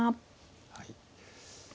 はい。